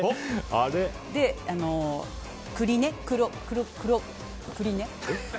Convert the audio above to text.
で、栗ね。